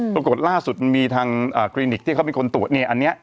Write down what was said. ปรากฏล่าสุดมันมีทางคลินิกที่เขาเป็นคนตรวจเนี่ยอันนี้